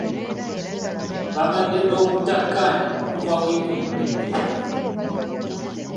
Babadde n'obutakkaanya okuva wiiki ewedde.